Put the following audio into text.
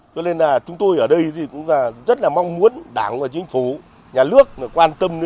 cho nên là chúng tôi ở đây thì cũng rất là mong muốn đảng và chính phủ